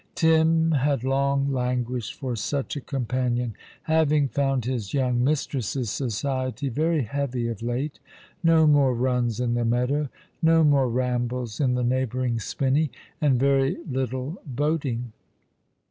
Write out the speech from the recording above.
Tim had long languished for such a companion, having found his yonng mistress's society very heavy of late. Ko more runs in the meadow, no more rambles in the neighbouring spinney, and very little boating.